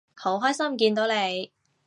好開心見到你